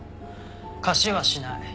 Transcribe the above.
貸しはしない。